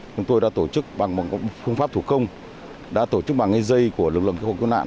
chúng tôi đã tổ chức bằng một phương pháp thủ công đã tổ chức bằng dây của lực lượng cứu nạn